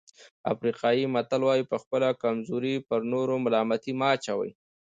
افریقایي متل وایي په خپله کمزوري پر نورو ملامتي مه اچوئ.